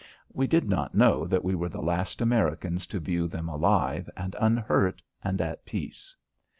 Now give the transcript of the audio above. We did not know that we were the last Americans to view them alive and unhurt and at peace.